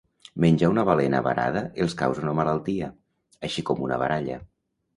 Menjar una balena varada els causa una malaltia, així com una baralla.